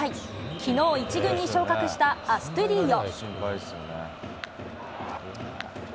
きのう、１軍に昇格したアストゥディーヨ。